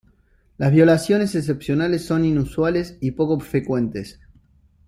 Las violaciones excepcionales son inusuales y poco frecuentes.